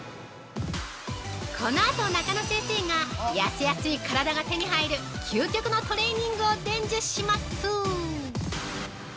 ◆この後、中野先生が痩せやすい体が手に入る究極のトレーニングを伝授します！